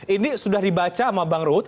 ini sudah dibaca sama bang ruhut